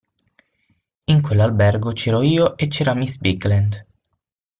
In quell'albergo c'ero io e c'era miss Bigland.